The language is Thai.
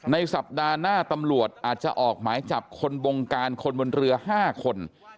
ในสัปดาห์หน้าตำรวจอาจจะออกหมายจับคนบงการคนบนเรือ๕คน